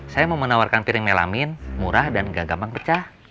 saya mau menawarkan piring melamin murah dan gak gampang pecah